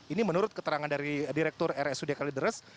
ini menurut keterangan dari direktur rsud kalideres